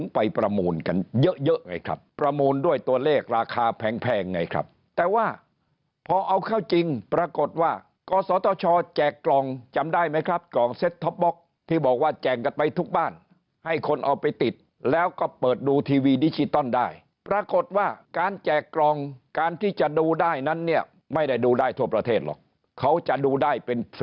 ไปประมูลกันเยอะเยอะไงครับประมูลด้วยตัวเลขราคาแพงไงครับแต่ว่าพอเอาเข้าจริงปรากฏว่ากศตชแจกกล่องจำได้ไหมครับกล่องเซ็ตท็อปบล็อกที่บอกว่าแจกกันไปทุกบ้านให้คนเอาไปติดแล้วก็เปิดดูทีวีดิจิตอลได้ปรากฏว่าการแจกกล่องการที่จะดูได้นั้นเนี่ยไม่ได้ดูได้ทั่วประเทศหรอกเขาจะดูได้เป็น